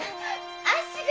足が。